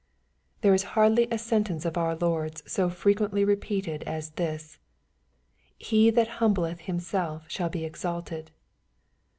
There is hardly a sentence of our Lord's so frequently repeated as this, '^ He that humbleth himself shall be exalted."